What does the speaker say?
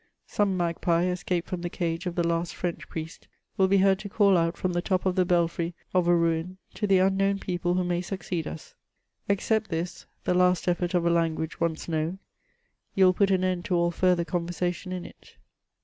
Some magpie, escaped from .the cage of the last French piiest, will be heard to call out from the top of the belfry of a ruin to the unknown people who may succeed us, '^ Accept this, the last effort of a language once known. You will put an end to all further conversation in it.''